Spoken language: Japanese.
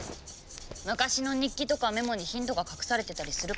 昔の日記とかメモにヒントが隠されてたりするからね。